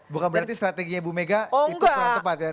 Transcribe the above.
bukan berarti strategi ibu mega itu terang tepat ya